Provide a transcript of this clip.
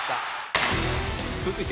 続いて